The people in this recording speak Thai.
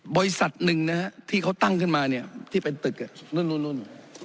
บริษัทหนึ่งนะฮะที่เขาตั้งขึ้นมาเนี่ยที่เป็นตึกรุ่น